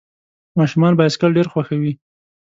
ماشومان بایسکل ډېر خوښوي.